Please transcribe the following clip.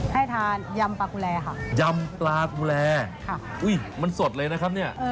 ให้ทานยำปลากุแรค่ะยำปลากุแรค่ะอุ้ยมันสดเลยนะครับเนี่ย